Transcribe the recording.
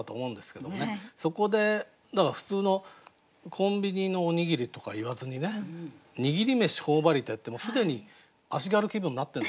そこで普通のコンビニのおにぎりとか言わずに「握りめし頬張りて」って既に足軽気分になってるんですよ。